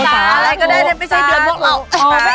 สาตุสาตุสาตุไม่ใช่เดือนพวกเราแต่สาตุ